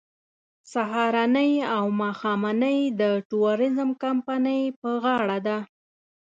سهارنۍ او ماښامنۍ د ټوریزم کمپنۍ په غاړه ده.